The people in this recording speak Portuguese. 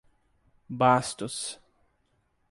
Bastos